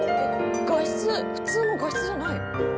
「画質普通の画質じゃない！」